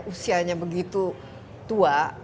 usianya begitu tua